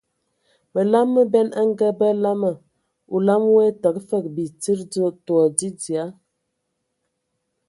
Məlam məben a ngabə lamaŋ, olam woe təgə fəg bi tsid tɔ dzia.